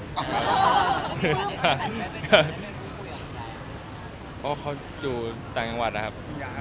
เพราะเขาอยู่ตลอดโลกสินะครับ